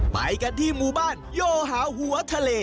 ไปกันที่หมู่บ้านโยหาวหัวทะเล